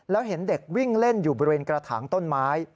แล้วเห็นเด็กวิ่งเล่นอยู่บริเวณกระถางต้นไม้